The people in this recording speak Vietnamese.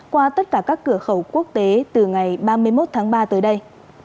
qua tất cả các cửa khẩu quốc tế từ ngày ba mươi một tháng ba tới đây